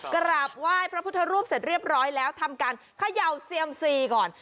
กราบไหว้พระพุทธรูปเสร็จเรียบร้อยแล้วทำการเขย่าเซียมซีก่อน